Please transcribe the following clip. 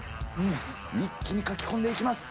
一気にかき込んでいきます。